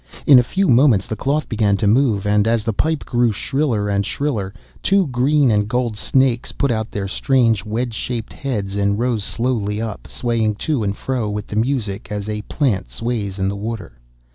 In a few moments the cloth began to move, and as the pipe grew shriller and shriller two green and gold snakes put out their strange wedge shaped heads and rose slowly up, swaying to and fro with the music as a plant sways in the water.